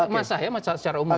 masa ya secara umum